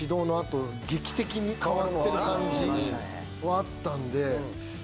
感じはあったんで。